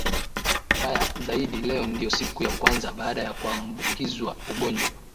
Baya zaidi leo ndio siku ya kwanza baada ya kuambukizwa ugonjwa.